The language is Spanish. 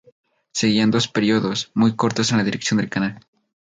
Seguirían dos periodos muy cortos en la dirección del canal.